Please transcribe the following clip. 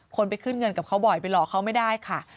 ไปขึ้นเงินกับเขาบ่อยไปหลอกเขาไม่ได้ค่ะ